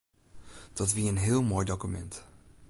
Dat wie in heel moai dokumint.